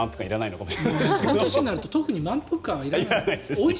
この年になると特に満腹感はいらない。